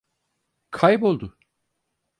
Kayboldu.